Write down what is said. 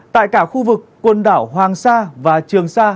tại cả khu vực quần đảo hoàng sa và trường sa